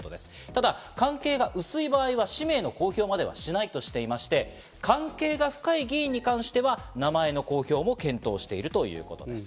ただ関係が薄い場合は氏名の公表まではしないとしていまして、関係が深い議員に関しては、名前の公表も検討しているということです。